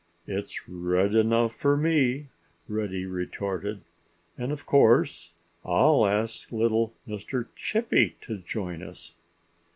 "It's red enough for me," Reddy retorted. "And of course I'll ask little Mr. Chippy to join us."